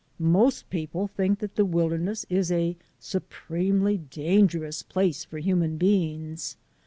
Most people think that the wilderness is a su premely dangerous place for human beings.